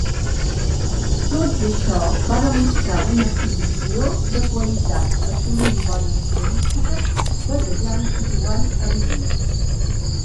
Tot i això, va demostrar una adquisició de qualitat, assolint bones estadístiques batejant i jugant a bitlles.